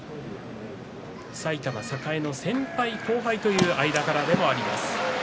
埼玉栄の先輩、後輩という間柄でもあります。